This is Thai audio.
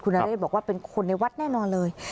นเรศบอกว่าเป็นคนในวัดแน่นอนเลย